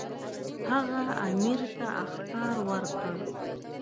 هغه امیر ته اخطار ورکړ.